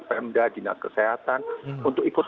pemda dinas kesehatan untuk ikut